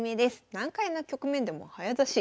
「難解な局面でも早指し？」